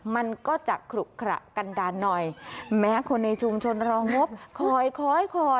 มันก็จะขลุขระกันดาลหน่อยแม้คนในชุมชนรองบคอยคอยคอย